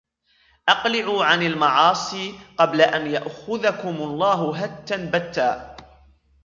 أَقْلِعُوا عَنْ الْمَعَاصِي قَبْلَ أَنْ يَأْخُذَكُمْ اللَّهُ هَتًّا بَتًّا